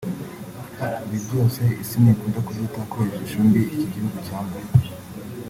Ibi byose isi ntikunda kubyitaho kubera ishusho mbi iki gihugu cyambaye